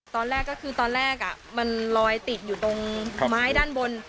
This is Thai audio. ตอนแรกก็คือตอนแรกมันลอยติดอยู่ตรงไม้ด้านบน